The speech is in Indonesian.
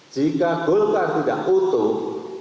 jika golkar tidak utuh